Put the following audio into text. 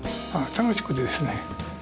楽しくてですね。